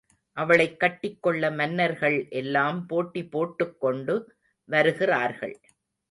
அவளைக் கட்டிக் கொள்ள மன்னர்கள் எல்லாம் போட்டி போட்டுக் கொண்டு வருகிறார்கள்.